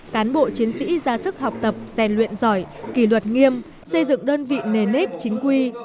cán bộ chiến sĩ ra sức học tập rèn luyện giỏi kỳ luật nghiêm xây dựng đơn vị nền nếp chính quy